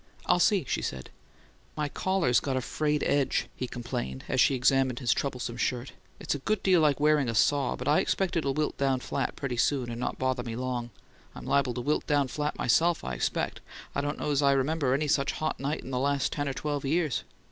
"I'll see," she said. "My collar's got a frayed edge," he complained, as she examined his troublesome shirt. "It's a good deal like wearing a saw; but I expect it'll wilt down flat pretty soon, and not bother me long. I'm liable to wilt down flat, myself, I expect; I don't know as I remember any such hot night in the last ten or twelve years."